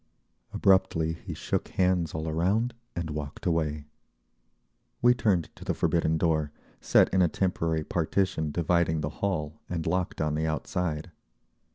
Abruptly he shook hands all around and walked away. We turned to the forbidden door, set in a temporary partition dividing the hall and locked on the outside.